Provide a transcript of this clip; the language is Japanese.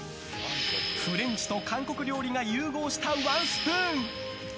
フレンチと韓国料理が融合したワンスプーン。